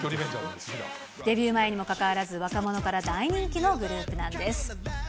デビュー前にもかかわらず、若者から大人気のグループなんです。